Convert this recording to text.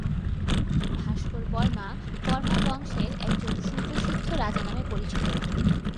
ভাস্কর বর্মা, বর্মা বংশের একজন সুপ্রসিদ্ধ রাজা নামে পরিচিত।